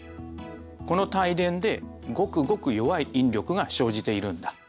この帯電でごくごく弱い引力が生じているんだ。